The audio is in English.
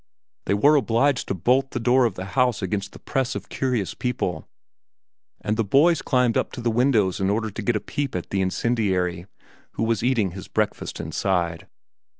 They were obliged to bolt the door of the house against the press of curious people, and the boys climbed up to the windows in order to get a peep at the incendiary, who was eating his breakfast inside.